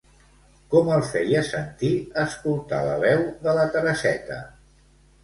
Com el feia sentir escoltar la veu de la Tereseta?